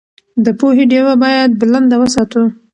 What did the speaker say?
د پوهې ډېوه باید بلنده وساتو.